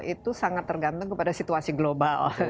itu sangat tergantung kepada situasi global